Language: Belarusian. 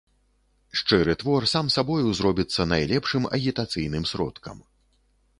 Шчыры твор сам сабою зробіцца найлепшым агітацыйным сродкам.